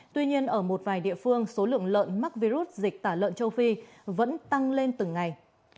tuy nhiên ở một vài địa phương số lượng lợn mắc virus dịch tả lợn châu phi vẫn tăng lên từng ngày